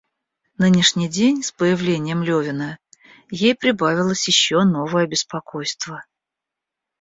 Нынешний день, с появлением Левина, ей прибавилось еще новое беспокойство.